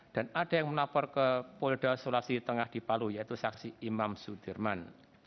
dan ada yang melapor ke polda sulasi tengah dipalu yaitu saksi imam sudirman